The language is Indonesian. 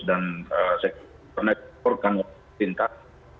dan kita sudah mencari penanganan yang lebih baik